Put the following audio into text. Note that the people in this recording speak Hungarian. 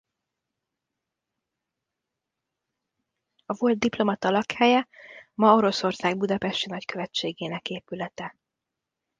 A volt diplomata lakhelye ma Oroszország budapesti nagykövetségének épülete.